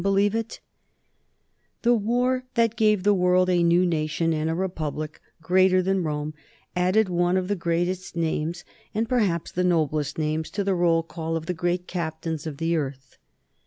[Sidenote: 1732 99 The death of Washington] The war that gave the world a new nation and a republic greater than Rome added one of the greatest names, and perhaps the noblest name, to the roll call of the great captains of the earth.